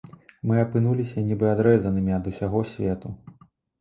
Мы апынуліся нібы адрэзанымі ад усяго свету.